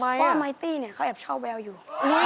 เพราะว่าไมตี้เนี่ยเขาแอบชอบแววอยู่